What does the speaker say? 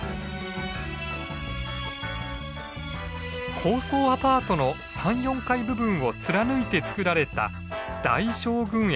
高層アパートの３４階部分を貫いて造られた大将軍駅。